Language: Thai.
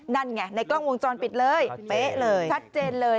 นั่นไงในกล้องวงจรปิดเลยเป๊ะเลยชัดเจนเลย